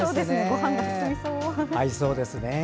ごはんが進みそう！